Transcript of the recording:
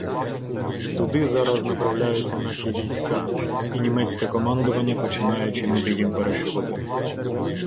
Туди зараз направляються наші війська, і німецьке командування починає чинити їм перешкоди.